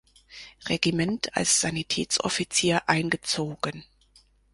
Regiment als Sanitätsoffizier eingezogen.